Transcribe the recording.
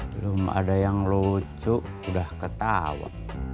belum ada yang lucu sudah ketawa